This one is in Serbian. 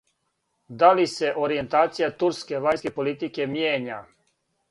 Да ли се оријентација турске вањске политике мијења?